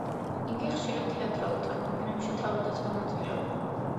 იგი ხშირად თეატრალურ წარმოდგენებში თავადაც მონაწილეობდა.